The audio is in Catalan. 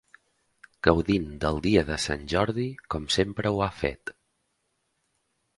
Gaudint del dia de Sant Jordi com sempre ho ha fet.